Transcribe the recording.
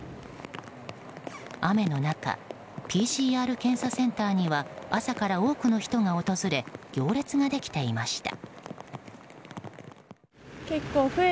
雨の中ＰＣＲ検査センターには朝から多くの人が訪れ行列ができていました。